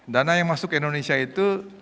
dana yang masuk ke indonesia itu